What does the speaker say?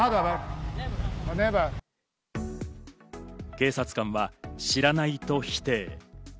警察官は知らないと否定。